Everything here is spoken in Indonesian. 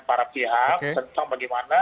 para pihak tentang bagaimana